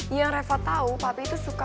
yang reva tahu papi itu suka